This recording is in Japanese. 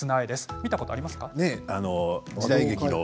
見たことがありますか？